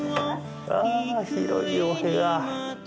あぁ広いお部屋。